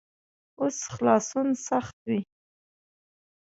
اوس خلاصون سخت وي.